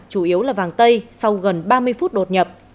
chủ yếu là vàng tây sau gần ba mươi phút đột nhập